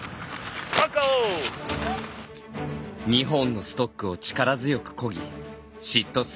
２本のストックを力強くこぎシット